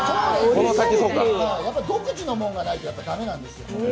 やっぱ、独自のもんがないとだめなんですよ。